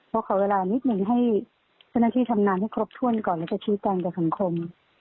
เพราะขอเวลานิดนึงให้เจ้าหน้าที่ทำงานให้ครบถ้วนก่อนและจะชี้แกนแต่ขังคม